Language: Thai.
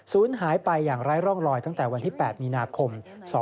หายไปอย่างไร้ร่องลอยตั้งแต่วันที่๘มีนาคม๒๕๖